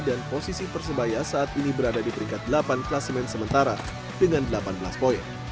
dan posisi persebaya saat ini berada di peringkat delapan klasemen sementara dengan delapan belas poin